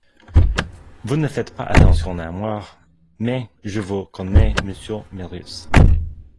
Vous ne faites pas attention à moi, mais je vous connais, monsieur Marius.